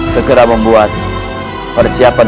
segera membuat persiapan